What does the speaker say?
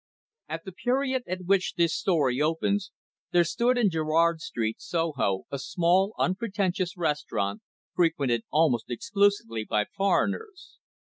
At the period at which this story opens, there stood in Gerrard Street, Soho, a small, unpretentious restaurant, frequented almost exclusively by foreigners.